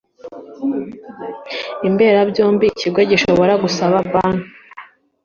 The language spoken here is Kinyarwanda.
imberabyombi ikigo gishobora gusaba Banki